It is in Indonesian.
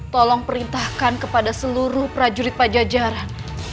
tolong perintahkan kepada seluruh prajurit pajajaran